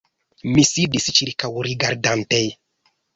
Mi sidis, ĉirkaŭrigardante.